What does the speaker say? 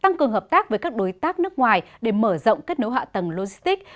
tăng cường hợp tác với các đối tác nước ngoài để mở rộng kết nối hạ tầng logistics